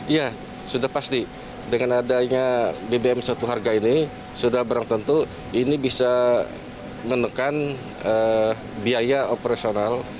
ya sudah pasti dengan adanya bbm satu harga ini sudah barang tentu ini bisa menekan biaya operasional